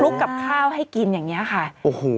กับข้าวให้กินอย่างเงี้ยค่ะโอ้โห